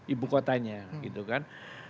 ibu kotanya gitu kan